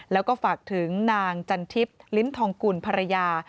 แล้วก็ฝากถึงนางจันทิพย์ลิ้นทองกุลภรรยา